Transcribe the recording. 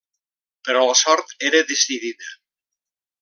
Però la sort era decidida.